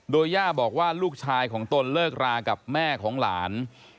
โดยย่าบอกว่าลูกชายของตนเลิกรากับแม่ของหลาน